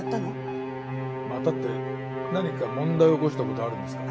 またって何か問題を起こした事あるんですか？